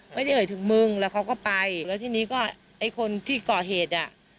ไม่ได้เอ่ยถึงมึงแล้วเขาก็ไปแล้วทีนี้ก็ไอ้คนที่ก่อเหตุอ่ะ